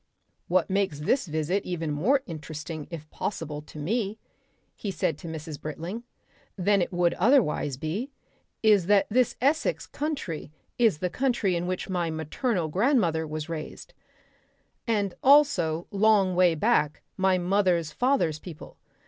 "What makes this visit even more interesting if possible to me," he said to Mrs. Britling, "than it would otherwise be, is that this Essex country is the country in which my maternal grandmother was raised, and also long way back my mother's father's people.